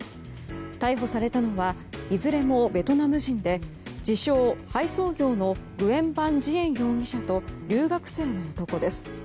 逮捕されたのはいずれもベトナム人で自称配送業のグエン・バン・ジエン容疑者と留学生の男です。